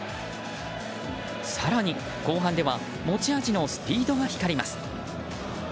更に、後半では持ち味のスピードが光ります。